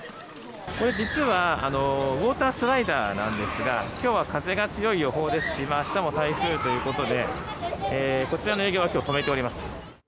これ実は、ウォータースライダーなんですが、きょうは風が強い予報ですし、あしたも台風ということで、こちらの営業はきょう、止めております。